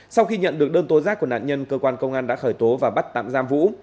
sau khi nhận được đơn tố giác của nạn nhân cơ quan công an đã khởi tố và bắt tạm giam vũ